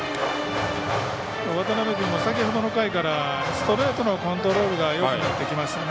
渡邊君も先ほどの回からストレートのコントロールがよくなってきましたね。